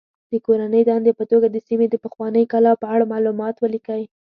د کورنۍ دندې په توګه د سیمې د پخوانۍ کلا په اړه معلومات ولیکئ.